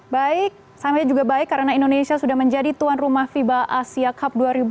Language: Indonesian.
baik sama juga baik karena indonesia sudah menjadi tuan rumah fiba asia cup dua ribu dua puluh